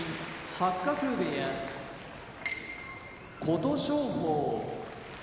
八角部屋琴勝峰